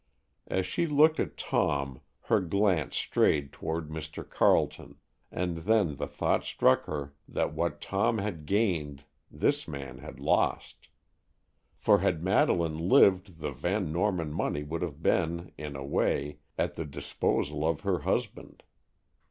As she looked at Tom her glance strayed toward Mr. Carleton, and then the thought struck her that what Tom had gained this man had lost. For had Madeleine lived the Van Norman money would have been, in a way, at the disposal of her husband.